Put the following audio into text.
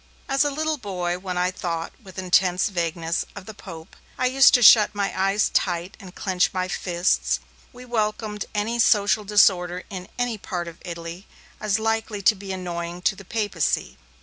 As a little boy, when I thought, with intense vagueness, of the Pope, I used to shut my eyes tight and clench my fists. We welcomed any social disorder in any part of Italy, as likely to be annoying to the Papacy.